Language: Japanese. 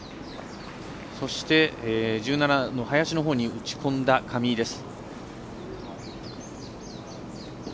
そして、１７の林のほうに打ち込んだ上井です。